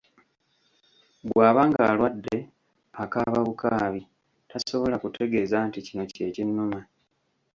Bw'aba ng'alwadde, akaaba bukaabi, tasobola kutegeza nti; kino kye kinnuma.